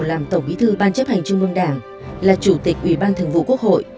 làm tổng bí thư ban chấp hành trung ương đảng là chủ tịch ủy ban thường vụ quốc hội